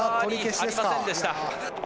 ありませんでした。